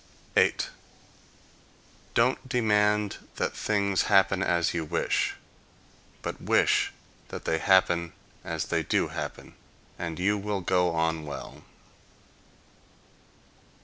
8. Don't demand that things happen as you wish, but wish that they happen as they do happen, and you will go on well.